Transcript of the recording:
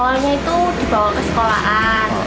awalnya itu dibawa ke sekolahan